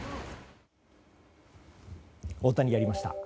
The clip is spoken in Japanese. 大谷、やりました。